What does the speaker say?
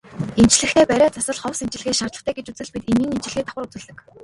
Эмчлэхдээ бариа засал ховс эмчилгээ шаардлагатай гэж үзвэл бид эмийн эмчилгээ давхар үзүүлдэг.